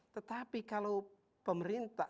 tetapi kalau pemerintah